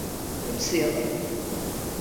Hepsi yalan.